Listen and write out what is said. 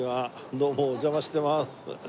どうもお邪魔してます。